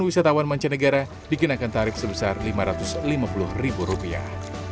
wisatawan mancanegara dikenakan tarif sebesar lima ratus lima puluh ribu rupiah